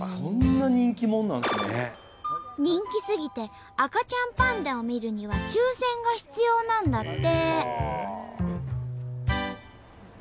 人気すぎて赤ちゃんパンダを見るには抽せんが必要なんだって。